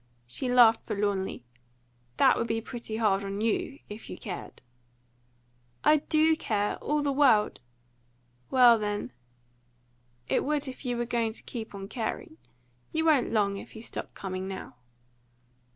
She laughed forlornly. "That would be pretty hard on you, if you cared." "I do care all the world!" "Well, then, it would if you were going to keep on caring. You won't long, if you stop coming now."